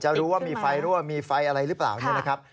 จะรู้ว่ามีไฟรั่วมีไฟอะไรหรือเปล่า